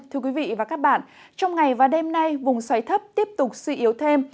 thưa quý vị và các bạn trong ngày và đêm nay vùng xoáy thấp tiếp tục suy yếu thêm